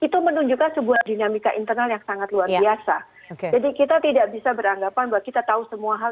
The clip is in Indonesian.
tidak tahu semua hal